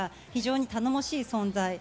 非常に頼もしい存在。